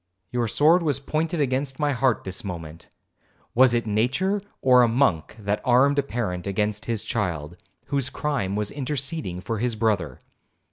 Your sword was pointed against my heart this moment; was it nature or a monk that armed a parent against his child, whose crime was—interceding for his brother?